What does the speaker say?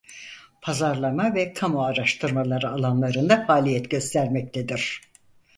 Pazarlama ve kamu araştırmaları alanlarında faaliyet göstermektedir.